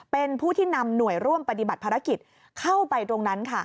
เป็นผู้ที่นำหน่วยร่วมปฏิบัติภารกิจเข้าไปตรงนั้นค่ะ